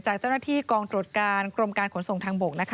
จากเจ้าหน้าที่กองตรวจการกรมการขนส่งทางบก